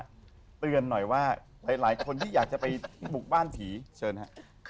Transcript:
เตือนหน่อยว่าหลายคนที่อยากจะไปบุกบ้านผีเชิญฮะ